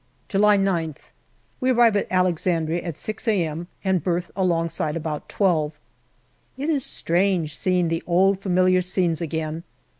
July 9th. We arrive at Alexandria at 6 a.m. and berth alongside about twelve. It is strange seeing the old familiar scenes again.